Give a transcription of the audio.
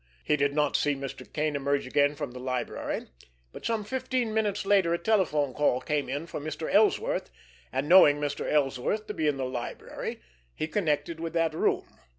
He did not see Mr. Kane emerge again from the library, but some fifteen minutes later a telephone call came in for Mr. Ellsworth, and, knowing Mr. Ellsworth to be in the library, he connected with that room.